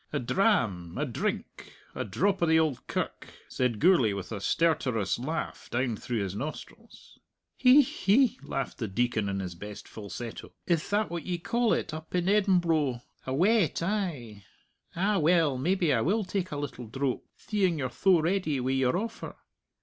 "A dram a drink a drop o' the Auld Kirk," said Gourlay, with a stertorous laugh down through his nostrils. "Hi! hi!" laughed the Deacon in his best falsetto. "Ith that what ye call it up in Embro? A wet, ay! Ah, well, maybe I will take a little drope, theeing you're tho ready wi' your offer."